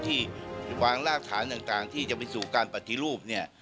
ที่วางรากฐานต่างที่จะไปสู่การปฏิรูปเนี่ย